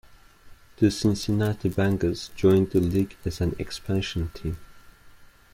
The Cincinnati Bengals joined the league as an expansion team.